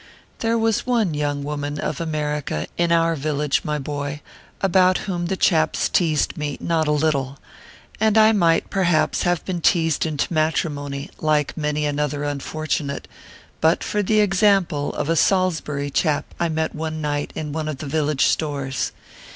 There was one young woman of America in our village, my boy, about whom the chaps teased me not a little ; and I might, perhaps, have been teased into matrimony, like many another unfortunate, but for 16 ORPHEUS C. KERR PAPERS. the example of a Salsbury chap I met one night in one of the village stores.